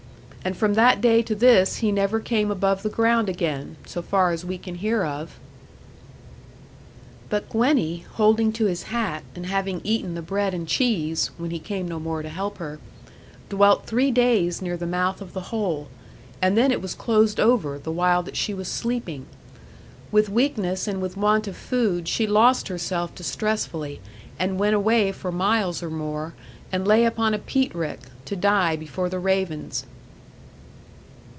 And from that day to this he never came above the ground again; so far as we can hear of. 'But Gwenny, holding to his hat, and having eaten the bread and cheese (when he came no more to help her), dwelt three days near the mouth of the hole; and then it was closed over, the while that she was sleeping. With weakness and with want of food, she lost herself distressfully, and went away for miles or more, and lay upon a peat rick, to die before the ravens.